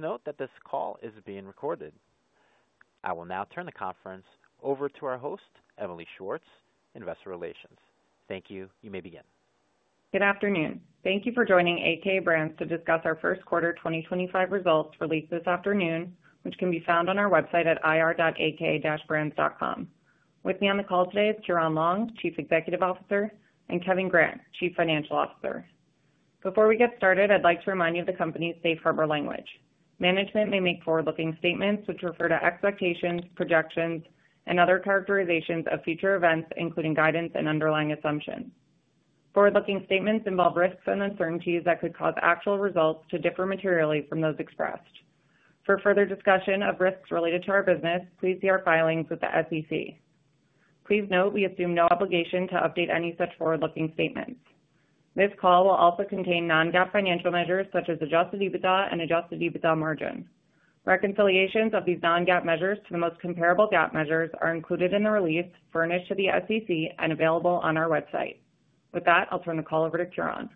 Please note that this call is being recorded. I will now turn the conference over to our host, Emily Schwartz, Investor Relations. Thank you. You may begin. Good afternoon. Thank you for joining a.k.a. Brands to discuss our first quarter 2025 results released this afternoon, which can be found on our website at ir.akabrands.com. With me on the call today is Ciaran Long, Chief Executive Officer, and Kevin Grant, Chief Financial Officer. Before we get started, I'd like to remind you of the company's safe harbor language. Management may make forward-looking statements which refer to expectations, projections, and other characterizations of future events, including guidance and underlying assumptions. Forward-looking statements involve risks and uncertainties that could cause actual results to differ materially from those expressed. For further discussion of risks related to our business, please see our filings with the SEC. Please note we assume no obligation to update any such forward-looking statements. This call will also contain non-GAAP financial measures such as adjusted EBITDA and adjusted EBITDA margin. Reconciliations of these non-GAAP measures to the most comparable GAAP measures are included in the release furnished to the SEC and available on our website. With that, I'll turn the call over to Ciaran.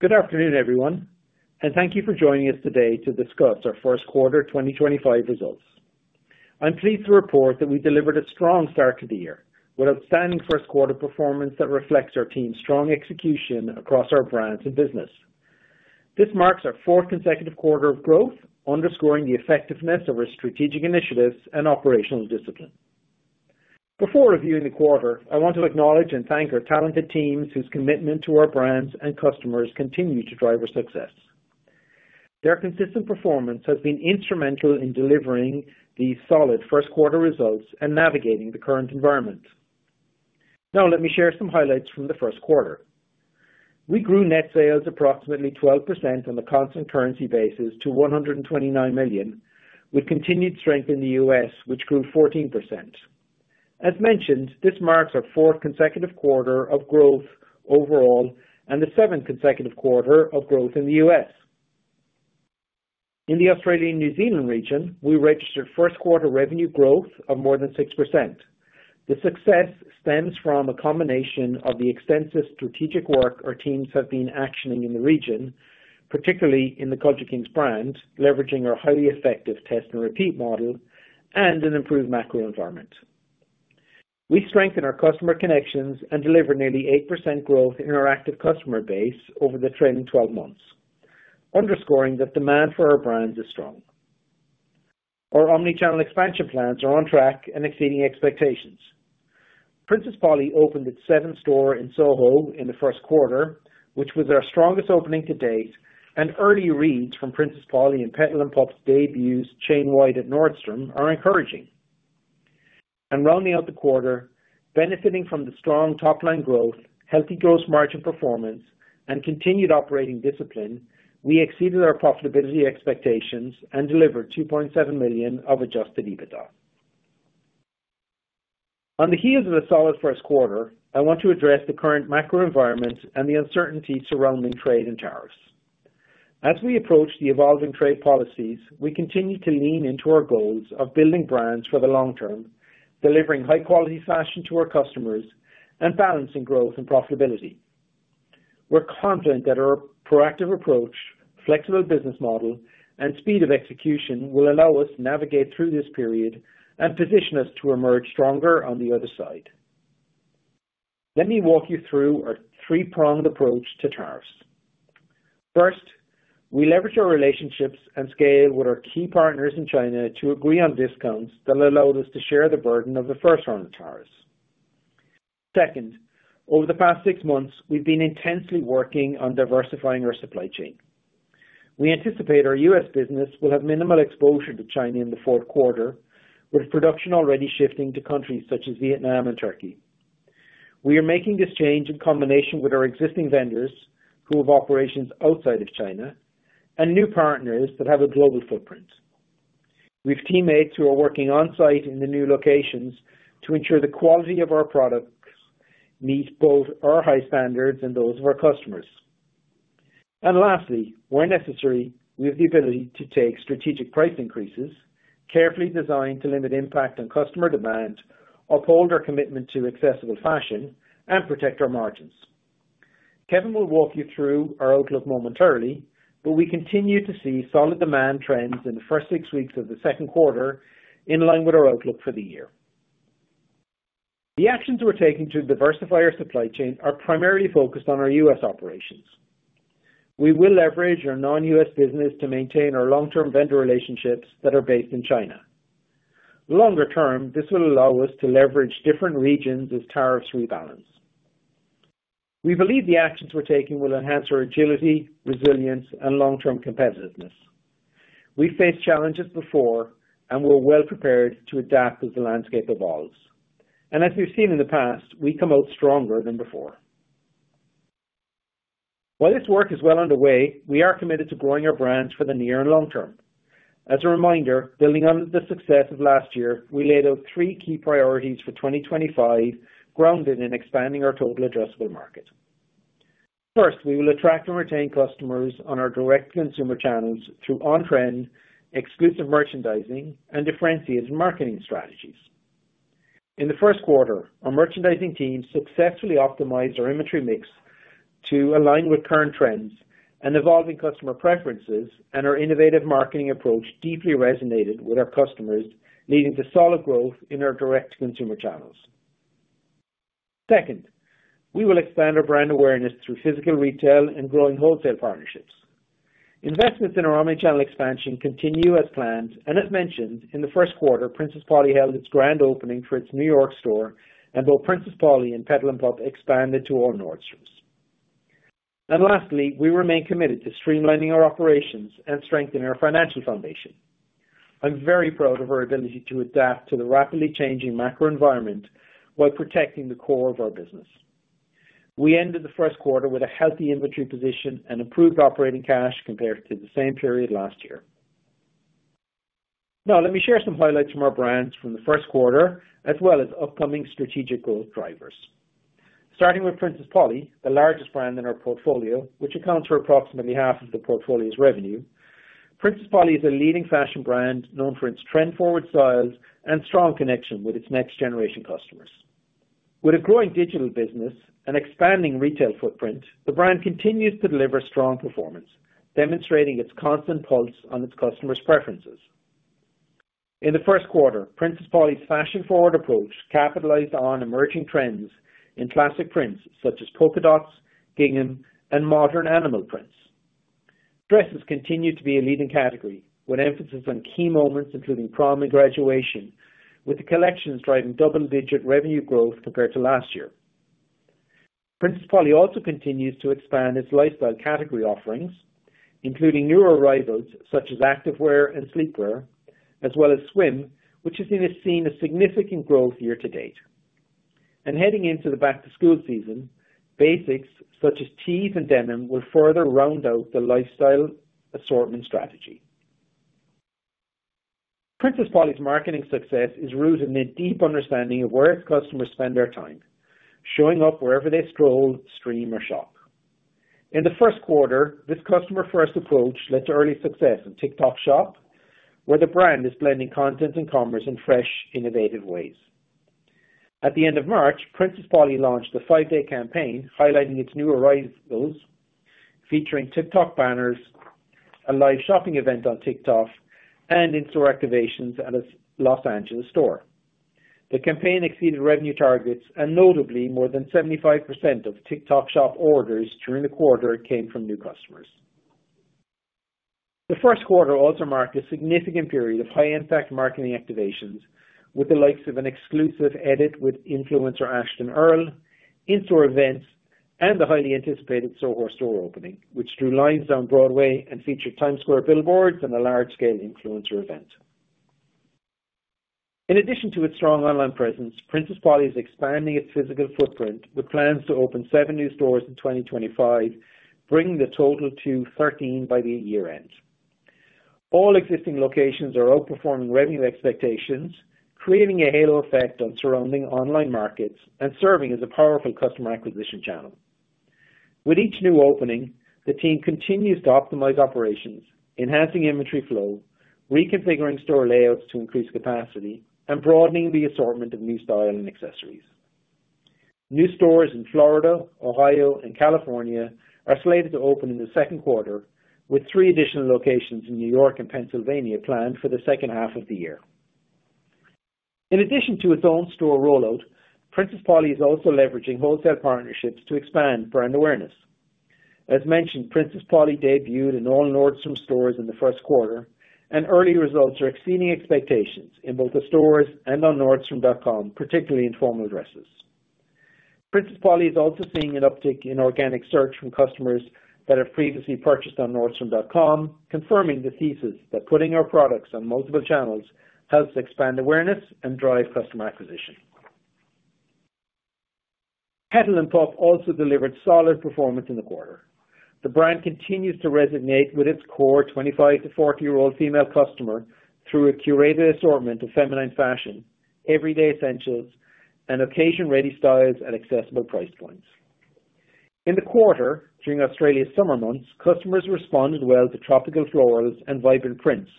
Good afternoon, everyone, and thank you for joining us today to discuss our first quarter 2025 results. I'm pleased to report that we delivered a strong start to the year with outstanding first quarter performance that reflects our team's strong execution across our brands and business. This marks our fourth consecutive quarter of growth, underscoring the effectiveness of our strategic initiatives and operational discipline. Before reviewing the quarter, I want to acknowledge and thank our talented teams whose commitment to our brands and customers continues to drive our success. Their consistent performance has been instrumental in delivering these solid first quarter results and navigating the current environment. Now, let me share some highlights from the first quarter. We grew net sales approximately 12% on a constant currency basis to $129 million, with continued strength in the U.S., which grew 14%. As mentioned, this marks our fourth consecutive quarter of growth overall and the seventh consecutive quarter of growth in the U.S. In the Australia and New Zealand region, we registered first quarter revenue growth of more than 6%. The success stems from a combination of the extensive strategic work our teams have been actioning in the region, particularly in the Culture Kings brand, leveraging our highly effective test-and-repeat model and an improved macro environment. We strengthen our customer connections and deliver nearly 8% growth in our active customer base over the trailing 12 months, underscoring that demand for our brands is strong. Our omnichannel expansion plans are on track and exceeding expectations. Princess Polly opened its seventh store in Soho in the first quarter, which was our strongest opening to date, and early reads from Princess Polly and Petal & Pup's debuts, Kevin Grant at Nordstrom, are encouraging. Rounding out the quarter, benefiting from the strong top-line growth, healthy gross margin performance, and continued operating discipline, we exceeded our profitability expectations and delivered $2.7 million of adjusted EBITDA. On the heels of a solid first quarter, I want to address the current macro environment and the uncertainty surrounding trade and tariffs. As we approach the evolving trade policies, we continue to lean into our goals of building brands for the long term, delivering high-quality fashion to our customers, and balancing growth and profitability. We're confident that our proactive approach, flexible business model, and speed of execution will allow us to navigate through this period and position us to emerge stronger on the other side. Let me walk you through our three-pronged approach to tariffs. First, we leverage our relationships and scale with our key partners in China to agree on discounts that allowed us to share the burden of the first round of tariffs. Second, over the past six months, we've been intensely working on diversifying our supply chain. We anticipate our U.S. business will have minimal exposure to China in the fourth quarter, with production already shifting to countries such as Vietnam and Turkey. We are making this change in combination with our existing vendors who have operations outside of China and new partners that have a global footprint. We have teammates who are working on-site in the new locations to ensure the quality of our products meets both our high standards and those of our customers. Lastly, where necessary, we have the ability to take strategic price increases, carefully designed to limit impact on customer demand, uphold our commitment to accessible fashion, and protect our margins. Kevin will walk you through our outlook momentarily, but we continue to see solid demand trends in the first six weeks of the second quarter in line with our outlook for the year. The actions we are taking to diversify our supply chain are primarily focused on our U.S. operations. We will leverage our non-U.S. business to maintain our long-term vendor relationships that are based in China. Longer term, this will allow us to leverage different regions as tariffs rebalance. We believe the actions we are taking will enhance our agility, resilience, and long-term competitiveness. We have faced challenges before and we are well prepared to adapt as the landscape evolves. As we have seen in the past, we come out stronger than before. While this work is well underway, we are committed to growing our brands for the near and long term. As a reminder, building on the success of last year, we laid out three key priorities for 2025 grounded in expanding our total addressable market. First, we will attract and retain customers on our direct-to-consumer channels through on-trend, exclusive merchandising, and differentiated marketing strategies. In the first quarter, our merchandising team successfully optimized our inventory mix to align with current trends and evolving customer preferences, and our innovative marketing approach deeply resonated with our customers, leading to solid growth in our direct-to-consumer channels. Second, we will expand our brand awareness through physical retail and growing wholesale partnerships. Investments in our omnichannel expansion continue as planned, and as mentioned, in the first quarter, Princess Polly held its grand opening for its New York store, and both Princess Polly and Petal & Pup expanded to all Nordstrom. Lastly, we remain committed to streamlining our operations and strengthening our financial foundation. I'm very proud of our ability to adapt to the rapidly changing macro environment while protecting the core of our business. We ended the first quarter with a healthy inventory position and improved operating cash compared to the same period last year. Now, let me share some highlights from our brands from the first quarter, as well as upcoming strategic growth drivers. Starting with Princess Polly, the largest brand in our portfolio, which accounts for approximately half of the portfolio's revenue, Princess Polly is a leading fashion brand known for its trend-forward styles and strong connection with its next-generation customers. With a growing digital business and expanding retail footprint, the brand continues to deliver strong performance, demonstrating its constant pulse on its customers' preferences. In the first quarter, Princess Polly's fashion-forward approach capitalized on emerging trends in classic prints such as polka dots, gingham, and modern animal prints. Dresses continue to be a leading category with emphasis on key moments, including prom and graduation, with the collections driving double-digit revenue growth compared to last year. Princess Polly also continues to expand its lifestyle category offerings, including newer arrivals such as activewear and sleepwear, as well as swim, which has seen a significant growth year-to-date. Heading into the back-to-school season, basics such as tees and denim will further round out the lifestyle assortment strategy. Princess Polly's marketing success is rooted in a deep understanding of where its customers spend their time, showing up wherever they stroll, stream, or shop. In the first quarter, this customer-first approach led to early success in TikTok Shop, where the brand is blending content and commerce in fresh, innovative ways. At the end of March, Princess Polly launched a five-day campaign highlighting its new arrivals, featuring TikTok banners, a live shopping event on TikTok, and in-store activations at its Los Angeles store. The campaign exceeded revenue targets, and notably, more than 75% of TikTok Shop orders during the quarter came from new customers. The first quarter also marked a significant period of high-impact marketing activations, with the likes of an exclusive edit with influencer Ashtin Earle, in-store events, and the highly anticipated Soho store opening, which drew lines down Broadway and featured Times Square billboards and a large-scale influencer event. In addition to its strong online presence, Princess Polly is expanding its physical footprint with plans to open seven new stores in 2025, bringing the total to 13 by the year-end. All existing locations are outperforming revenue expectations, creating a halo effect on surrounding online markets and serving as a powerful customer acquisition channel. With each new opening, the team continues to optimize operations, enhancing inventory flow, reconfiguring store layouts to increase capacity, and broadening the assortment of new style and accessories. New stores in Florida, Ohio, and California are slated to open in the second quarter, with three additional locations in New York and Pennsylvania planned for the second half of the year. In addition to its own store rollout, Princess Polly is also leveraging wholesale partnerships to expand brand awareness. As mentioned, Princess Polly debuted in all Nordstrom stores in the first quarter, and early results are exceeding expectations in both the stores and on nordstrom.com, particularly in formal dresses. Princess Polly is also seeing an uptick in organic search from customers that have previously purchased on nordstrom.com, confirming the thesis that putting our products on multiple channels helps expand awareness and drive customer acquisition. Petal & Pup also delivered solid performance in the quarter. The brand continues to resonate with its core 25 to 40-year-old female customer through a curated assortment of feminine fashion, everyday essentials, and occasion-ready styles at accessible price points. In the quarter, during Australia's summer months, customers responded well to tropical florals and vibrant prints,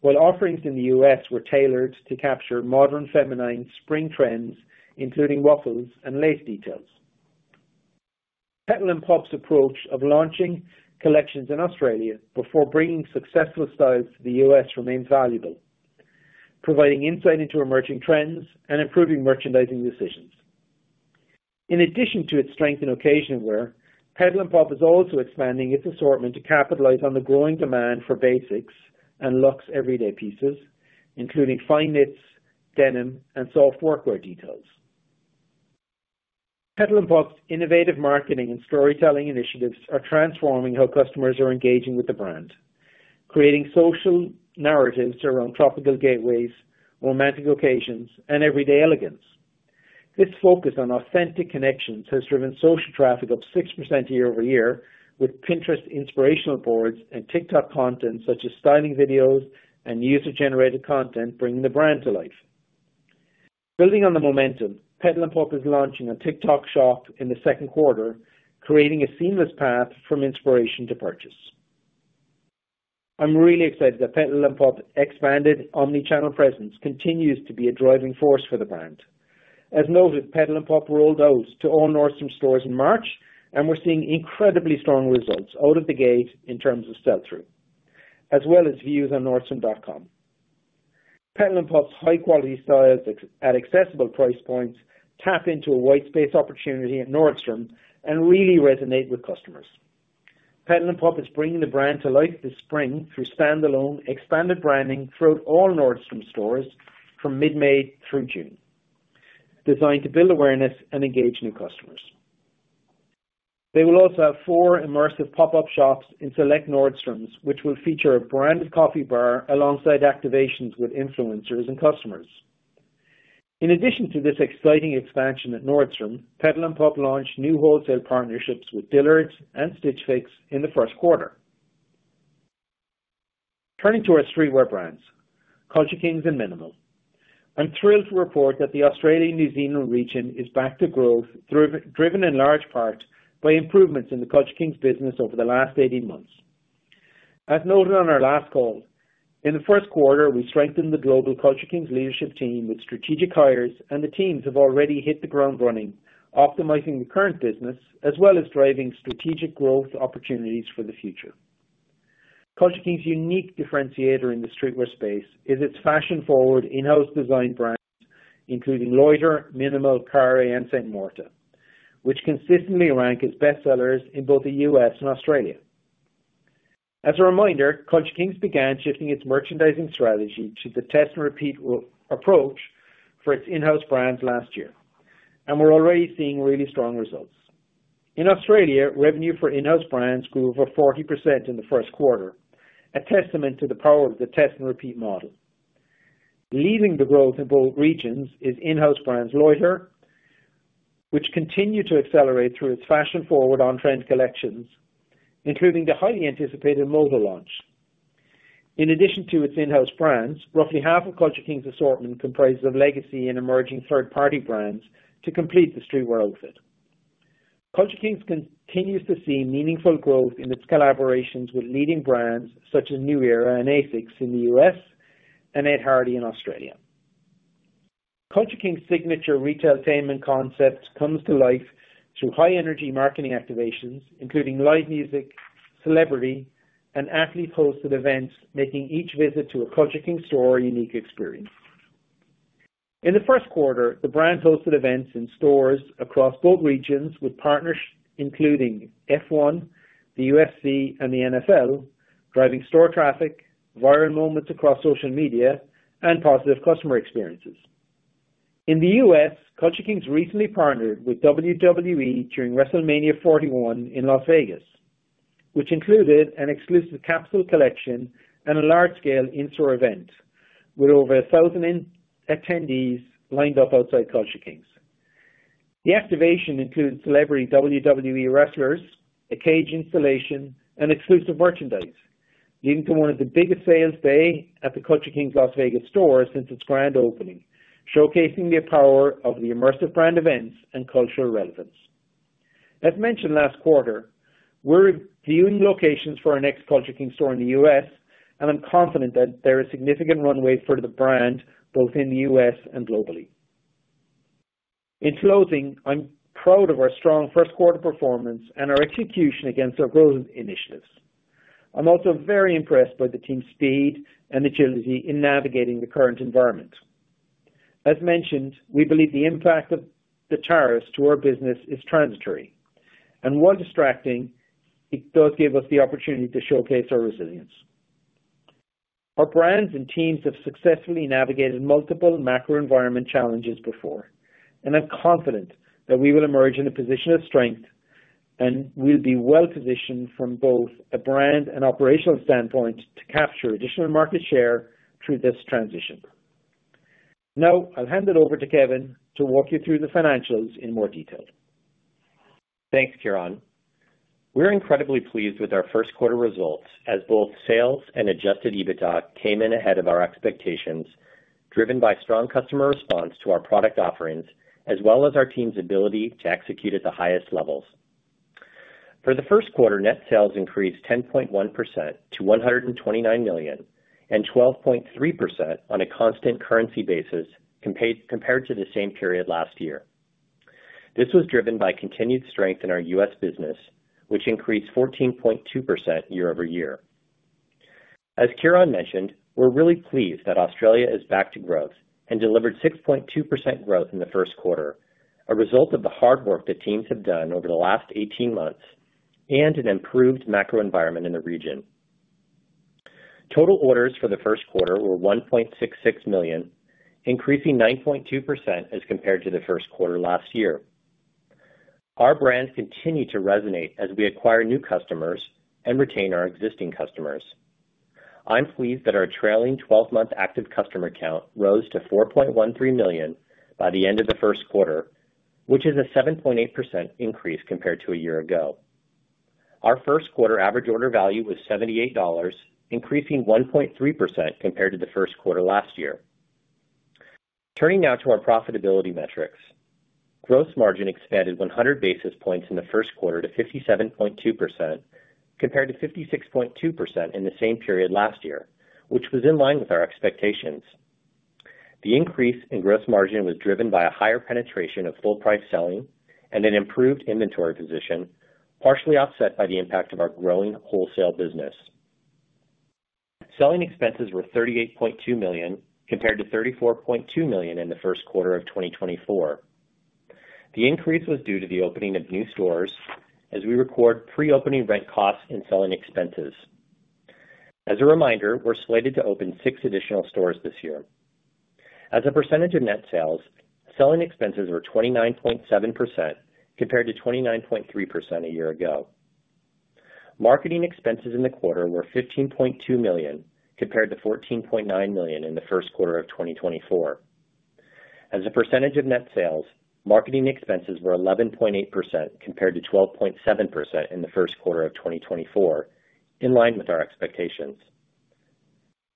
while offerings in the U.S. were tailored to capture modern feminine spring trends, including ruffles and lace details. Petal & Pup's approach of launching collections in Australia before bringing successful styles to the U.S. remains valuable, providing insight into emerging trends and improving merchandising decisions. In addition to its strength in occasion wear, Petal & Pup is also expanding its assortment to capitalize on the growing demand for basics and luxe everyday pieces, including fine knits, denim, and soft workwear details. Petal & Pup's innovative marketing and storytelling initiatives are transforming how customers are engaging with the brand, creating social narratives around tropical getaways, romantic occasions, and everyday elegance. This focus on authentic connections has driven social traffic up 6% year-over-year, with Pinterest inspirational boards and TikTok content such as styling videos and user-generated content bringing the brand to life. Building on the momentum, Petal & Pup is launching a TikTok Shop in the second quarter, creating a seamless path from inspiration to purchase. I'm really excited that Petal & Pup's expanded omnichannel presence continues to be a driving force for the brand. As noted, Petal & Pup rolled out to all Nordstrom stores in March, and we're seeing incredibly strong results out of the gate in terms of sell-through, as well as views on nordstrom.com. Petal & Pup's high-quality styles at accessible price points tap into a whitespace opportunity at Nordstrom and really resonate with customers. Petal & Pup is bringing the brand to life this spring through standalone expanded branding throughout all Nordstrom stores from mid-May through June, designed to build awareness and engage new customers. They will also have four immersive pop-up shops in select Nordstrom stores, which will feature a branded coffee bar alongside activations with influencers and customers. In addition to this exciting expansion at Nordstrom, Petal & Pup launched new wholesale partnerships with Dillard's and Stitch Fix in the first quarter. Turning to our streetwear brands, Culture Kings and Minimal. I'm thrilled to report that the Australia New Zealand region is back to growth, driven in large part by improvements in the Culture Kings business over the last 18 months. As noted on our last call, in the first quarter, we strengthened the global Culture Kings leadership team with strategic hires, and the teams have already hit the ground running, optimizing the current business as well as driving strategic growth opportunities for the future. Culture Kings' unique differentiator in the streetwear space is its fashion-forward in-house design brand, including Loitr, Minimal, Kiary, and Saint Morta, which consistently rank as best sellers in both the U.S. and Australia. As a reminder, Culture Kings began shifting its merchandising strategy to the test-and-repeat approach for its in-house brands last year, and we're already seeing really strong results. In Australia, revenue for in-house brands grew over 40% in the first quarter, a testament to the power of the test-and-repeat model. Leading the growth in both regions is in-house brand Loitr, which continued to accelerate through its fashion-forward on-trend collections, including the highly anticipated MOVA launch. In addition to its in-house brands, roughly half of Culture Kings' assortment comprises legacy and emerging third-party brands to complete the streetwear outfit. Culture Kings continues to see meaningful growth in its collaborations with leading brands such as New Era and ASICS in the U.S. and Ed Hardy in Australia. Culture Kings' signature retailtainment concept comes to life through high-energy marketing activations, including live music, celebrity, and athlete-hosted events, making each visit to a Culture Kings store a unique experience. In the first quarter, the brand hosted events in stores across both regions with partners including F1, the UFC, and the NFL, driving store traffic, viral moments across social media, and positive customer experiences. In the U.S., Culture Kings recently partnered with WWE during WrestleMania 41 in Las Vegas, which included an exclusive Capsule Collection and a large-scale in-store event with over 1,000 attendees lined up outside Culture Kings. The activation included celebrity WWE wrestlers, a cage installation, and exclusive merchandise, leading to one of the biggest sales days at the Culture Kings Las Vegas store since its grand opening, showcasing the power of the immersive brand events and cultural relevance. As mentioned last quarter, we're reviewing locations for our next Culture Kings store in the U.S., and I'm confident that there are significant runways for the brand both in the U.S. and globally. In closing, I'm proud of our strong first-quarter performance and our execution against our growth initiatives. I'm also very impressed by the team's speed and agility in navigating the current environment. As mentioned, we believe the impact of the tariffs to our business is transitory, and while distracting, it does give us the opportunity to showcase our resilience. Our brands and teams have successfully navigated multiple macro environment challenges before, and I'm confident that we will emerge in a position of strength and will be well-positioned from both a brand and operational standpoint to capture additional market share through this transition. Now, I'll hand it over to Kevin to walk you through the financials in more detail. Thanks, Ciaran. We're incredibly pleased with our first-quarter results as both sales and adjusted EBITDA came in ahead of our expectations, driven by strong customer response to our product offerings, as well as our team's ability to execute at the highest levels. For the first quarter, net sales increased 10.1% to $129 million and 12.3% on a constant currency basis compared to the same period last year. This was driven by continued strength in our U.S. business, which increased 14.2% year-over-year. As Ciaran mentioned, we're really pleased that Australia is back to growth and delivered 6.2% growth in the first quarter, a result of the hard work that teams have done over the last 18 months and an improved macro environment in the region. Total orders for the first quarter were 1.66 million, increasing 9.2% as compared to the first quarter last year. Our brand continued to resonate as we acquire new customers and retain our existing customers. I'm pleased that our trailing 12-month active customer count rose to 4.13 million by the end of the first quarter, which is a 7.8% increase compared to a year ago. Our first quarter average order value was $78, increasing 1.3% compared to the first quarter last year. Turning now to our profitability metrics, gross margin expanded 100 basis points in the first quarter to 57.2% compared to 56.2% in the same period last year, which was in line with our expectations. The increase in gross margin was driven by a higher penetration of full-price selling and an improved inventory position, partially offset by the impact of our growing wholesale business. Selling expenses were $38.2 million compared to $34.2 million in the first quarter of 2024. The increase was due to the opening of new stores as we record pre-opening rent costs and selling expenses. As a reminder, we're slated to open six additional stores this year. As a percentage of net sales, selling expenses were 29.7% compared to 29.3% a year ago. Marketing expenses in the quarter were $15.2 million compared to $14.9 million in the first quarter of 2024. As a percentage of net sales, marketing expenses were 11.8% compared to 12.7% in the first quarter of 2024, in line with our expectations.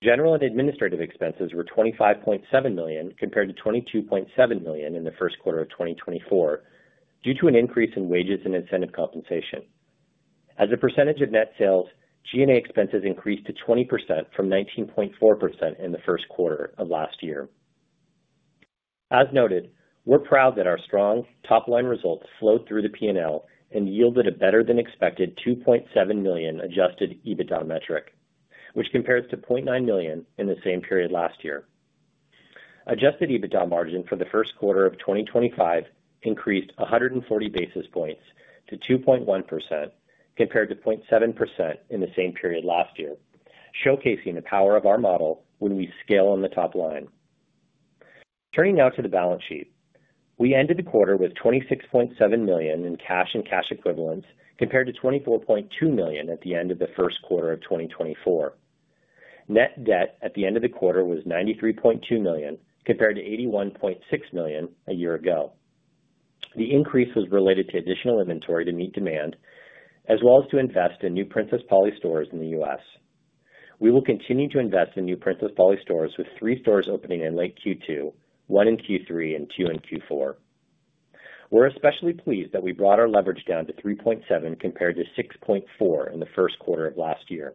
General and administrative expenses were $25.7 million compared to $22.7 million in the first quarter of 2024 due to an increase in wages and incentive compensation. As a percentage of net sales, G&A expenses increased to 20% from 19.4% in the first quarter of last year. As noted, we're proud that our strong top-line results flowed through the P&L and yielded a better-than-expected $2.7 million adjusted EBITDA metric, which compares to $0.9 million in the same period last year. Adjusted EBITDA margin for the first quarter of 2025 increased 140 basis points to 2.1% compared to 0.7% in the same period last year, showcasing the power of our model when we scale on the top line. Turning now to the balance sheet, we ended the quarter with $26.7 million in cash and cash equivalents compared to $24.2 million at the end of the first quarter of 2024. Net debt at the end of the quarter was $93.2 million compared to $81.6 million a year ago. The increase was related to additional inventory to meet demand, as well as to invest in new Princess Polly stores in the U.S. We will continue to invest in new Princess Polly stores with three stores opening in late Q2, one in Q3, and two in Q4. We're especially pleased that we brought our leverage down to 3.7 compared to 6.4 in the first quarter of last year.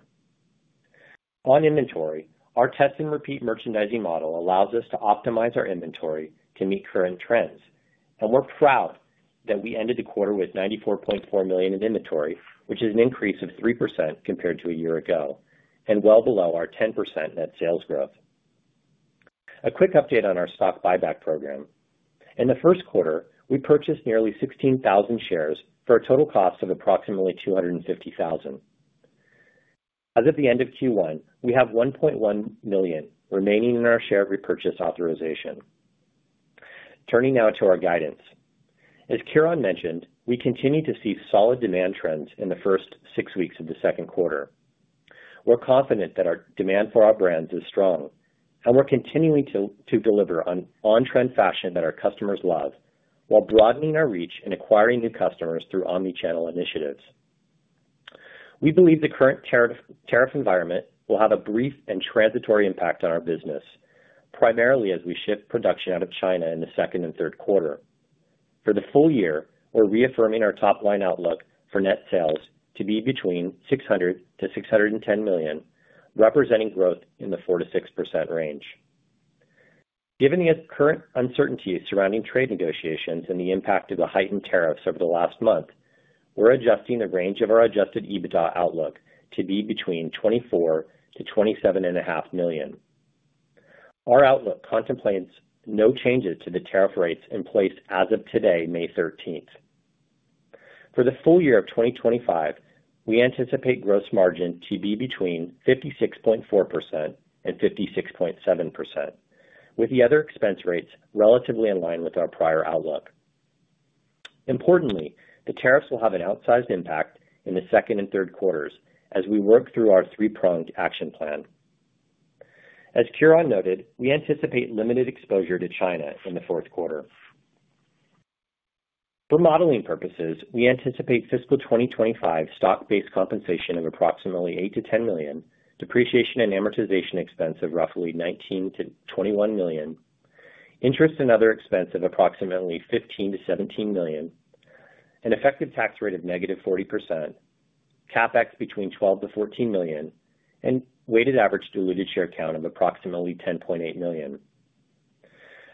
On inventory, our test-and-repeat merchandising model allows us to optimize our inventory to meet current trends, and we're proud that we ended the quarter with $94.4 million in inventory, which is an increase of 3% compared to a year ago and well below our 10% net sales growth. A quick update on our stock buyback program. In the first quarter, we purchased nearly 16,000 shares for a total cost of approximately $250,000. As of the end of Q1, we have $1.1 million remaining in our share repurchase authorization. Turning now to our guidance. As Ciaran mentioned, we continue to see solid demand trends in the first six weeks of the second quarter. We're confident that our demand for our brands is strong, and we're continuing to deliver on on-trend fashion that our customers love while broadening our reach and acquiring new customers through omnichannel initiatives. We believe the current tariff environment will have a brief and transitory impact on our business, primarily as we shift production out of China in the second and third quarter. For the full year, we're reaffirming our top-line outlook for net sales to be between $600 million-$610 million, representing growth in the 4%-6% range. Given the current uncertainty surrounding trade negotiations and the impact of the heightened tariffs over the last month, we're adjusting the range of our adjusted EBITDA outlook to be between $24-$27.5 million. Our outlook contemplates no changes to the tariff rates in place as of today, May 13th. For the full year of 2025, we anticipate gross margin to be between 56.4% and 56.7%, with the other expense rates relatively in line with our prior outlook. Importantly, the tariffs will have an outsized impact in the second and third quarters as we work through our three-pronged action plan. As Ciaran noted, we anticipate limited exposure to China in the fourth quarter. For modeling purposes, we anticipate fiscal 2025 stock-based compensation of approximately $8 million-$10 million, depreciation and amortization expense of roughly $19 million-$21 million, interest and other expense of approximately $15 million-$17 million, an effective tax rate of negative 40%, CapEx between $12 million-$14 million, and weighted average diluted share count of approximately 10.8 million.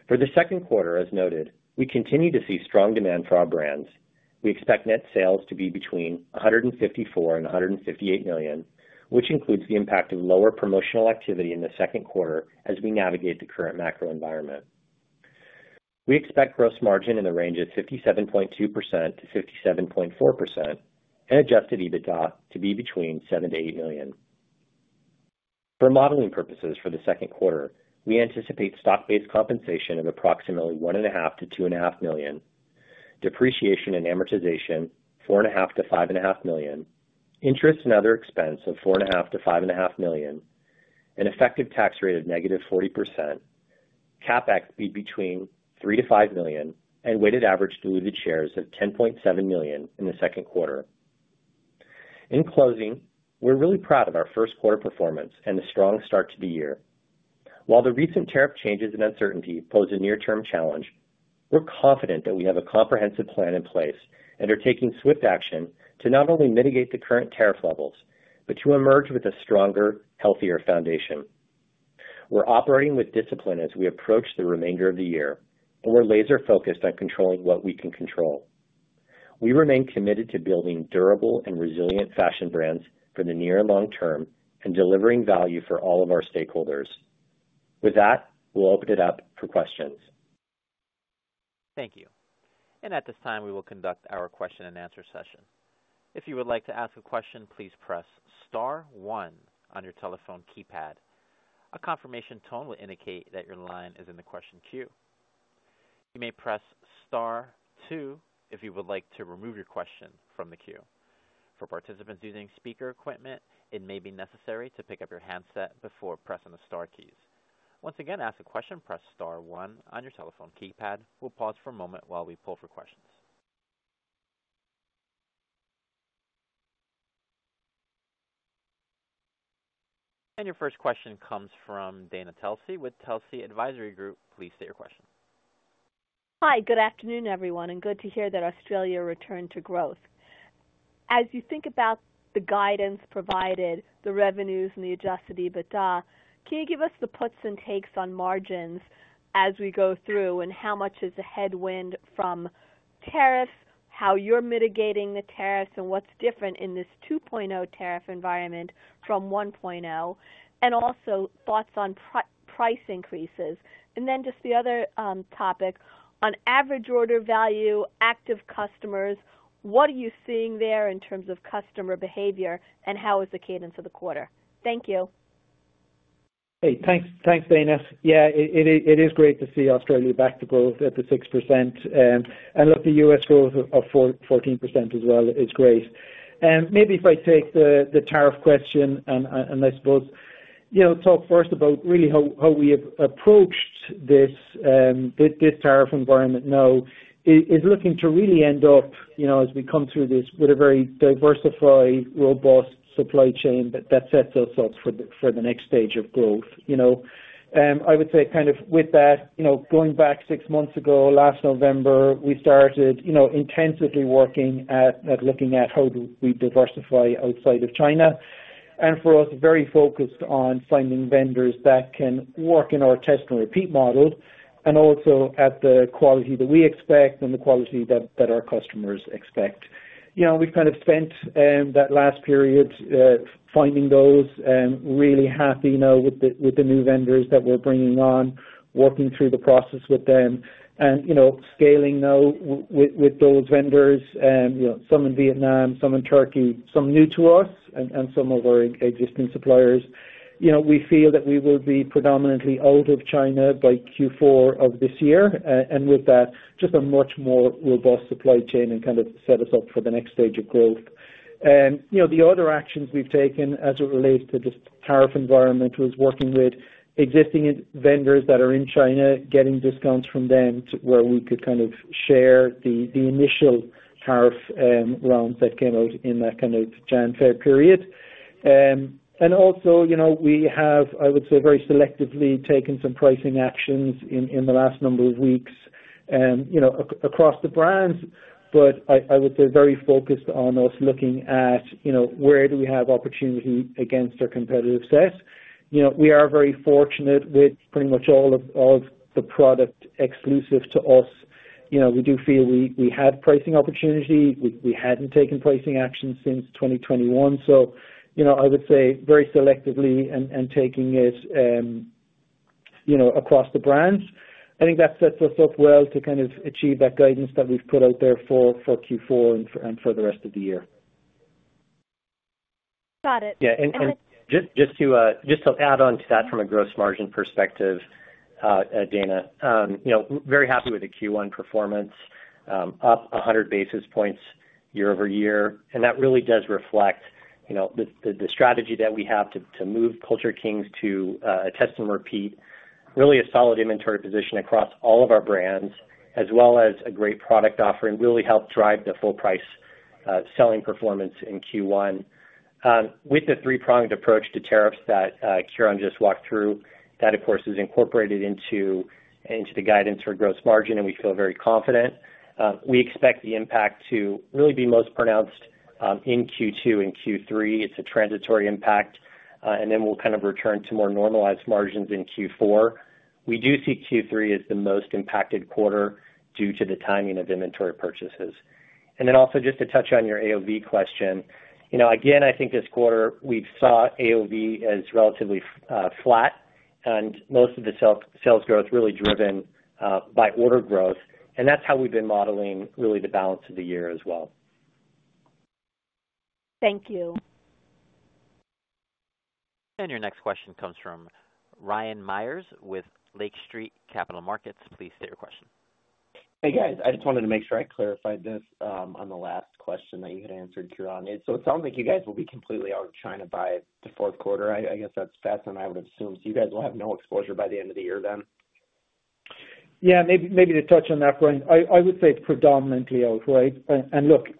For the second quarter, as noted, we continue to see strong demand for our brands. We expect net sales to be between $154 million and $158 million, which includes the impact of lower promotional activity in the second quarter as we navigate the current macro environment. We expect gross margin in the range of 57.2%-57.4% and adjusted EBITDA to be between $7 million-$8 million. For modeling purposes for the second quarter, we anticipate stock-based compensation of approximately $1.5 million-$2.5 million, depreciation and amortization $4.5 million-$5.5 million, interest and other expense of $4.5 million-$5.5 million, an effective tax rate of negative 40%, CapEx to be between $3 million-$5 million, and weighted average diluted shares of 10.7 million in the second quarter. In closing, we're really proud of our first-quarter performance and the strong start to the year. While the recent tariff changes and uncertainty pose a near-term challenge, we're confident that we have a comprehensive plan in place and are taking swift action to not only mitigate the current tariff levels, but to emerge with a stronger, healthier foundation. We're operating with discipline as we approach the remainder of the year, and we're laser-focused on controlling what we can control. We remain committed to building durable and resilient fashion brands for the near and long term and delivering value for all of our stakeholders. With that, we'll open it up for questions. Thank you. At this time, we will conduct our question-and-answer session. If you would like to ask a question, please press star one on your telephone keypad. A confirmation tone will indicate that your line is in the question queue. You may press star two if you would like to remove your question from the queue. For participants using speaker equipment, it may be necessary to pick up your handset before pressing the star keys. Once again, to ask a question, press star one on your telephone keypad. We'll pause for a moment while we pull for questions. Your first question comes from Dana Telsey with Telsey Advisory Group. Please state your question. Hi, good afternoon, everyone, and good to hear that Australia returned to growth. As you think about the guidance provided, the revenues, and the adjusted EBITDA, can you give us the puts and takes on margins as we go through, and how much is a headwind from tariffs, how you're mitigating the tariffs, and what's different in this 2.0 tariff environment from 1.0, and also thoughts on price increases? Just the other topic, on average order value, active customers, what are you seeing there in terms of customer behavior, and how is the cadence of the quarter? Thank you. Hey, thanks, Dana. Yeah, it is great to see Australia back to growth at the 6%, and look, the U.S. growth of 14% as well is great. Maybe if I take the tariff question, and I suppose talk first about really how we have approached this tariff environment now, is looking to really end up, as we come through this, with a very diversified, robust supply chain that sets us up for the next stage of growth. I would say kind of with that, going back six months ago, last November, we started intensively working at looking at how do we diversify outside of China. We are very focused on finding vendors that can work in our test-and-repeat model, and also at the quality that we expect and the quality that our customers expect. We've kind of spent that last period finding those, really happy now with the new vendors that we're bringing on, working through the process with them, and scaling now with those vendors, some in Vietnam, some in Turkey, some new to us, and some of our existing suppliers. We feel that we will be predominantly out of China by Q4 of this year, and with that, just a much more robust supply chain and kind of set us up for the next stage of growth. The other actions we've taken as it relates to this tariff environment was working with existing vendors that are in China, getting discounts from them to where we could kind of share the initial tariff rounds that came out in that kind of January/February period. Also, we have, I would say, very selectively taken some pricing actions in the last number of weeks across the brands, but I would say very focused on us looking at where do we have opportunity against our competitive set. We are very fortunate with pretty much all of the product exclusive to us. We do feel we had pricing opportunity. We hadn't taken pricing action since 2021. I would say very selectively and taking it across the brands. I think that sets us up well to kind of achieve that guidance that we've put out there for Q4 and for the rest of the year. Got it. Yeah. And just to add on to that from a gross margin perspective, Dana, very happy with the Q1 performance, up 100 basis points year-over-year. That really does reflect the strategy that we have to move Culture Kings to a test-and-repeat, really a solid inventory position across all of our brands, as well as a great product offering, really helped drive the full-price selling performance in Q1. With the three-pronged approach to tariffs that Ciaran just walked through, that, of course, is incorporated into the guidance for gross margin, and we feel very confident. We expect the impact to really be most pronounced in Q2 and Q3. It's a transitory impact, and then we'll kind of return to more normalized margins in Q4. We do see Q3 as the most impacted quarter due to the timing of inventory purchases. Also, just to touch on your AOV question, again, I think this quarter we saw AOV as relatively flat, and most of the sales growth really driven by order growth. That's how we've been modeling really the balance of the year as well. Thank you. Your next question comes from Ryan Meyers with Lake Street Capital Markets. Please state your question. Hey, guys, I just wanted to make sure I clarified this on the last question that you had answered, Ciaran. It sounds like you guys will be completely out of China by the fourth quarter. I guess that's fascinating, I would assume. You guys will have no exposure by the end of the year then? Yeah, maybe to touch on that point, I would say predominantly out, right?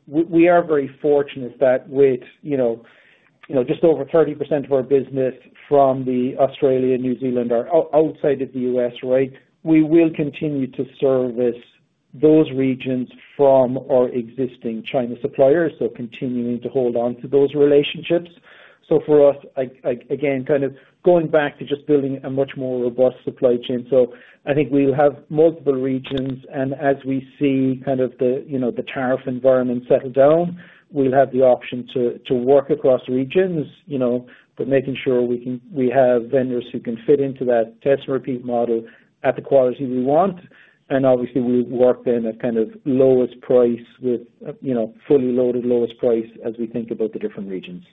We are very fortunate that with just over 30% of our business from Australia, New Zealand, or outside of the U.S., we will continue to service those regions from our existing China suppliers, so continuing to hold on to those relationships. For us, again, kind of going back to just building a much more robust supply chain. I think we'll have multiple regions, and as we see the tariff environment settle down, we'll have the option to work across regions, but making sure we have vendors who can fit into that test-and-repeat model at the quality we want. Obviously, we'll work then at kind of lowest price with fully loaded lowest price as we think about the different regions.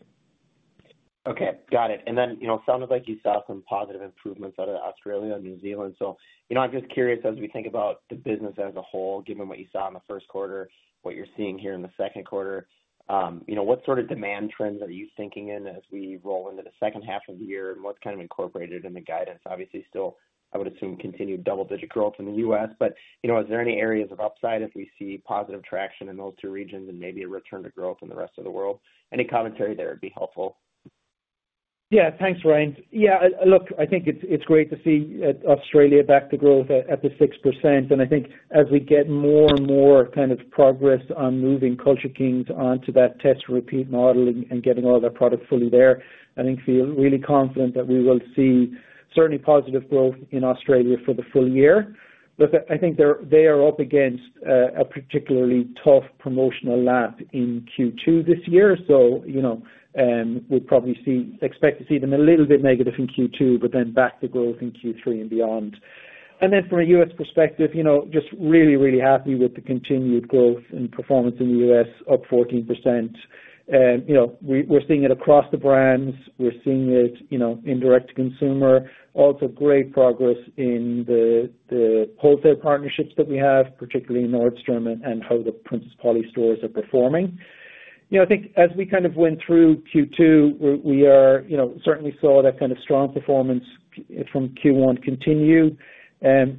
Okay. Got it. It sounded like you saw some positive improvements out of Australia and New Zealand. I'm just curious, as we think about the business as a whole, given what you saw in the first quarter, what you're seeing here in the second quarter, what sort of demand trends are you thinking in as we roll into the second half of the year? What's kind of incorporated in the guidance? Obviously, still, I would assume, continued double-digit growth in the U.S., but is there any areas of upside if we see positive traction in those two regions and maybe a return to growth in the rest of the world? Any commentary there would be helpful. Yeah, thanks, Ryan. Yeah, look, I think it's great to see Australia back to growth at the 6%. I think as we get more and more kind of progress on moving Culture Kings onto that test-and-repeat model and getting all their product fully there, I feel really confident that we will see certainly positive growth in Australia for the full year. Look, I think they are up against a particularly tough promotional lap in Q2 this year. We will probably expect to see them a little bit negative in Q2, but then back to growth in Q3 and beyond. From a U.S. perspective, just really, really happy with the continued growth and performance in the U.S., up 14%. We're seeing it across the brands. We're seeing it in direct-to-consumer. Also great progress in the wholesale partnerships that we have, particularly Nordstrom and how the Princess Polly stores are performing. I think as we kind of went through Q2, we certainly saw that kind of strong performance from Q1 continue.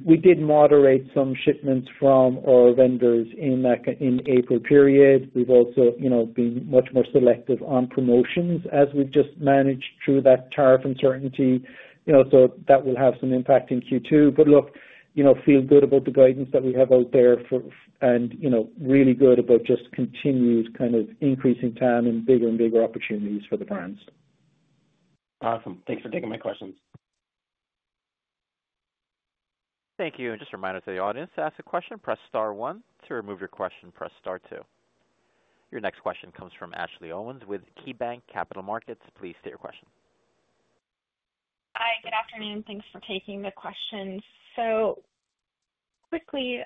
We did moderate some shipments from our vendors in the April period. We've also been much more selective on promotions as we've just managed through that tariff uncertainty. That will have some impact in Q2. Look, feel good about the guidance that we have out there and really good about just continued kind of increasing time and bigger and bigger opportunities for the brands. Awesome. Thanks for taking my questions. Thank you. Just a reminder to the audience to ask a question, press star one. To remove your question, press star two. Your next question comes from Ashley Owens with KeyBanc Capital Markets. Please state your question. Hi, good afternoon. Thanks for taking the question. Quickly,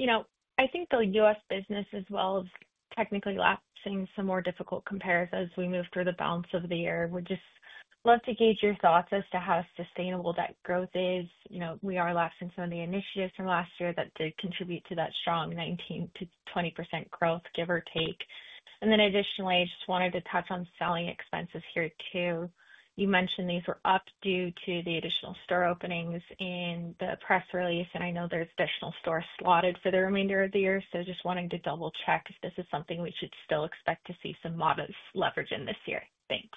I think the U.S. business as well is technically lapsing some more difficult comparisons as we move through the balance of the year. Would just love to gauge your thoughts as to how sustainable that growth is. We are lapsing some of the initiatives from last year that did contribute to that strong 19%-20% growth, give or take. Additionally, I just wanted to touch on selling expenses here too. You mentioned these were up due to the additional store openings in the press release, and I know there are additional stores slotted for the remainder of the year. Just wanting to double-check if this is something we should still expect to see some modest leverage in this year. Thanks.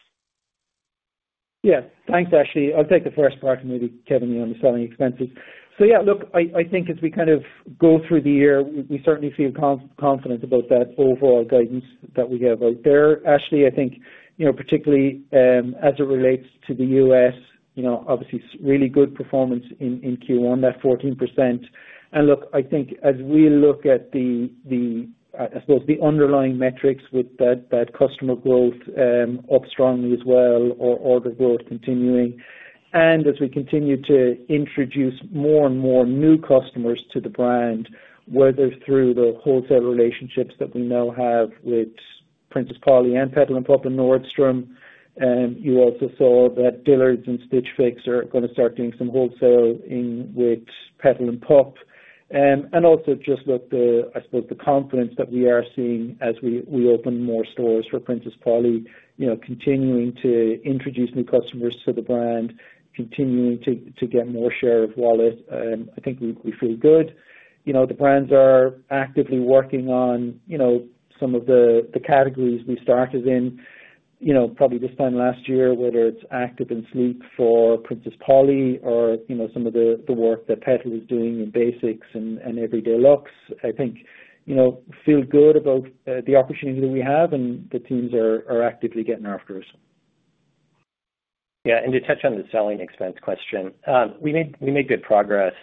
Yeah. Thanks, Ashley. I'll take the first part and maybe Kevin on the selling expenses. Yeah, look, I think as we kind of go through the year, we certainly feel confident about that overall guidance that we have out there. Ashley, I think particularly as it relates to the U.S., obviously really good performance in Q1, that 14%. I think as we look at the, I suppose, the underlying metrics with that customer growth up strongly as well, order growth continuing. As we continue to introduce more and more new customers to the brand, whether through the wholesale relationships that we now have with Princess Polly and Petal & Pup and Nordstrom, you also saw that Dillard's and Stitch Fix are going to start doing some wholesale with Petal & Pup. Also just look at the, I suppose, the confidence that we are seeing as we open more stores for Princess Polly, continuing to introduce new customers to the brand, continuing to get more share of wallet. I think we feel good. The brands are actively working on some of the categories we started in probably this time last year, whether it is active and sleep for Princess Polly or some of the work that Petal & Pup is doing in basics and everyday looks. I think feel good about the opportunity that we have and the teams are actively getting after us. Yeah. To touch on the selling expense question, we made good progress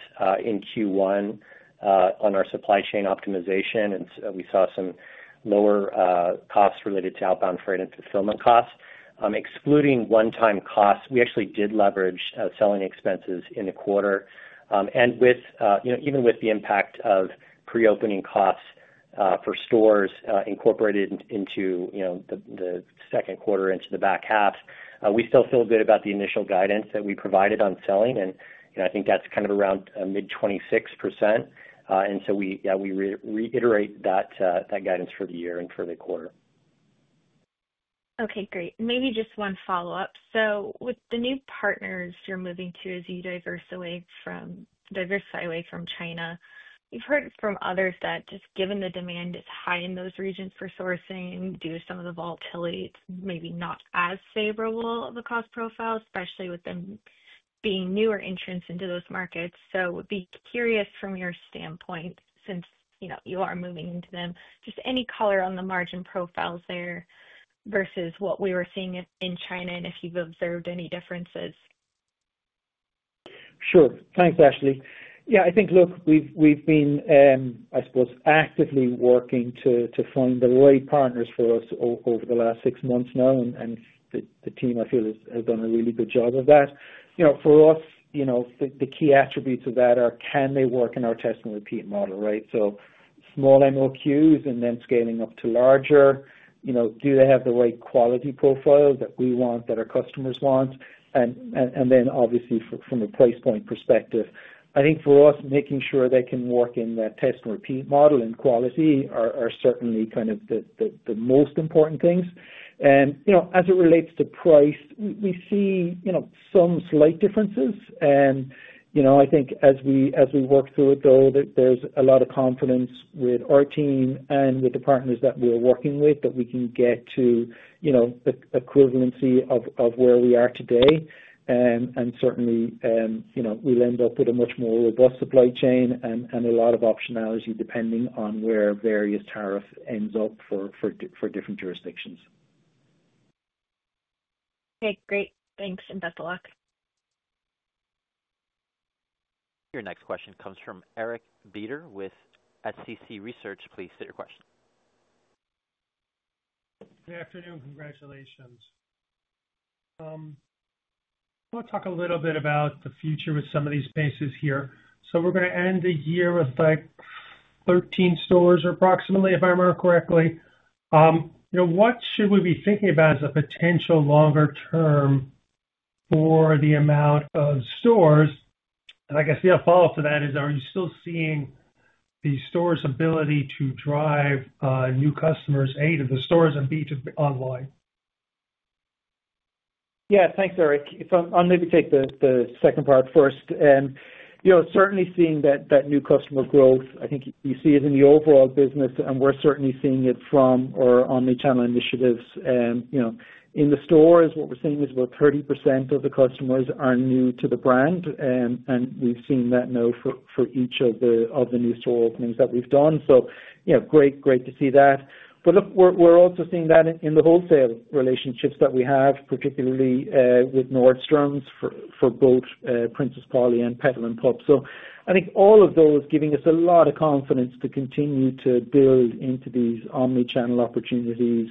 in Q1 on our supply chain optimization, and we saw some lower costs related to outbound freight and fulfillment costs. Excluding one-time costs, we actually did leverage selling expenses in the quarter. Even with the impact of pre-opening costs for stores incorporated into the second quarter into the back half, we still feel good about the initial guidance that we provided on selling. I think that's kind of around mid-26%. We reiterate that guidance for the year and for the quarter. Okay. Great. Maybe just one follow-up. With the new partners you're moving to as you diversify away from China, we've heard from others that just given the demand is high in those regions for sourcing due to some of the volatility, it's maybe not as favorable of a cost profile, especially with them being newer entrants into those markets. We'd be curious from your standpoint since you are moving into them, just any color on the margin profiles there versus what we were seeing in China and if you've observed any differences. Sure. Thanks, Ashley. Yeah, I think, look, we've been, I suppose, actively working to find the right partners for us over the last six months now, and the team, I feel, has done a really good job of that. For us, the key attributes of that are, can they work in our test-and-repeat model, right? Small MOQs and then scaling up to larger. Do they have the right quality profile that we want, that our customers want? Obviously, from a price point perspective, I think for us, making sure they can work in that test-and-repeat model and quality are certainly kind of the most important things. As it relates to price, we see some slight differences. I think as we work through it, though, there's a lot of confidence with our team and with the partners that we're working with that we can get to equivalency of where we are today. Certainly, we'll end up with a much more robust supply chain and a lot of optionality depending on where various tariffs end up for different jurisdictions. Okay. Great. Thanks. And best of luck. Your next question comes from Eric Beder with SCC Research. Please state your question. Good afternoon. Congratulations. I want to talk a little bit about the future with some of these bases here. We're going to end the year with like 13 stores approximately, if I remember correctly. What should we be thinking about as a potential longer term for the amount of stores? I guess the follow-up to that is, are you still seeing the store's ability to drive new customers, A, to the stores and B, to online? Yeah. Thanks, Eric. I'll maybe take the second part first. Certainly seeing that new customer growth, I think you see it in the overall business, and we're certainly seeing it from our omnichannel initiatives. In the stores, what we're seeing is about 30% of the customers are new to the brand, and we've seen that now for each of the new store openings that we've done. Great to see that. We're also seeing that in the wholesale relationships that we have, particularly with Nordstrom for both Princess Polly and Petal & Pup. I think all of those are giving us a lot of confidence to continue to build into these omnichannel opportunities,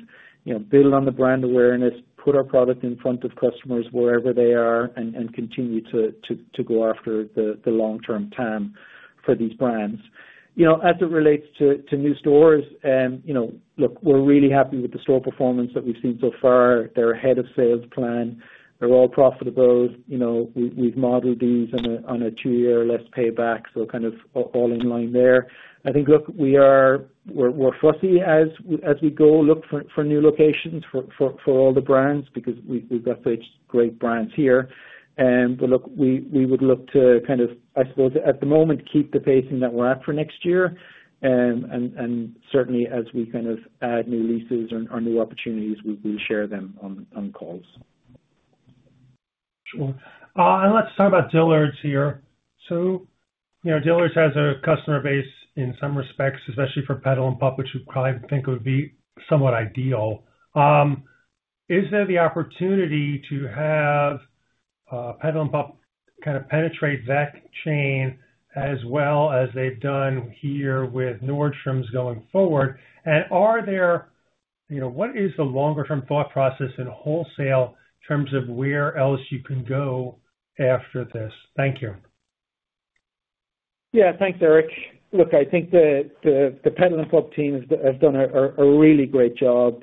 build on the brand awareness, put our product in front of customers wherever they are, and continue to go after the long-term time for these brands. As it relates to new stores, look, we're really happy with the store performance that we've seen so far. They're ahead of sales plan. They're all profitable. We've modeled these on a two-year or less payback, so kind of all in line there. I think, look, we're fussy as we go look for new locations for all the brands because we've got such great brands here. Look, we would look to kind of, I suppose, at the moment, keep the pacing that we're at for next year. Certainly, as we kind of add new leases or new opportunities, we will share them on calls. Sure. Let's talk about Dillard's here. Dillard's has a customer base in some respects, especially for Petal & Pup, which you probably think would be somewhat ideal. Is there the opportunity to have Petal & Pup kind of penetrate that chain as well as they've done here with Nordstrom going forward? What is the longer-term thought process in wholesale in terms of where else you can go after this? Thank you. Yeah. Thanks, Eric. Look, I think the Petal & Pup team has done a really great job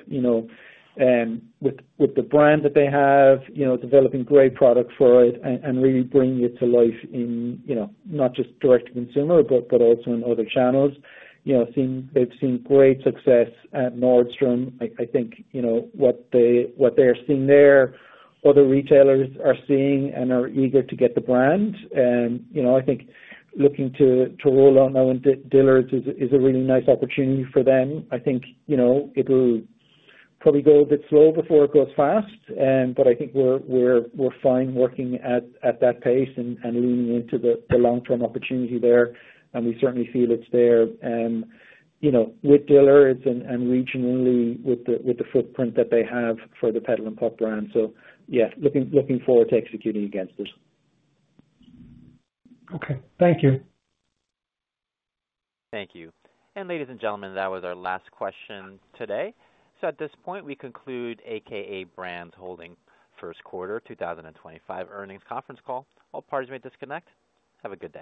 with the brand that they have, developing great products for it, and really bringing it to life in not just direct-to-consumer, but also in other channels. They've seen great success at Nordstrom. I think what they're seeing there, other retailers are seeing and are eager to get the brand. I think looking to roll out now in Dillard's is a really nice opportunity for them. I think it will probably go a bit slow before it goes fast, but I think we're fine working at that pace and leaning into the long-term opportunity there. We certainly feel it's there with Dillard's and regionally with the footprint that they have for the Petal & Pup brand. Yeah, looking forward to executing against this. Okay. Thank you. Thank you. Ladies, and gentlemen, that was our last question today. At this point, we conclude a.k.a. Brands Holding First Quarter 2025 Earnings Conference Call. All parties may disconnect. Have a good day.